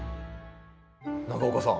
長岡さん